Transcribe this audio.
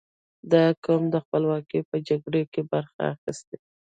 • دا قوم د خپلواکۍ په جګړو کې برخه اخیستې.